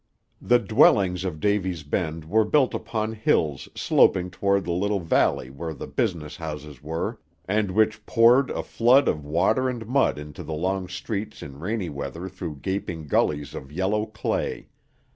The dwellings of Davy's Bend were built upon hills sloping toward the little valley where the business houses were, and which poured a flood of water and mud into the long streets in rainy weather through gaping gullies of yellow clay.